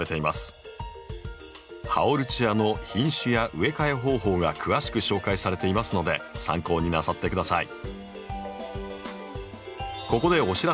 ハオルチアの品種や植え替え方法が詳しく紹介されていますので参考になさって下さい。